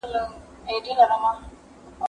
زه پرون سبا ته فکر کوم؟!